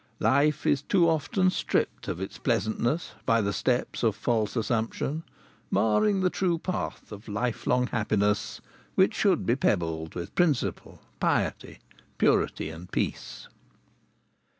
Life is too often stripped of its pleasantness by the steps of false assumption, marring the true path of life long happiness which should be pebbled with principle, piety, purity, and peace.